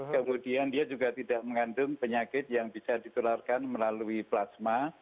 kemudian dia juga tidak mengandung penyakit yang bisa ditularkan melalui plasma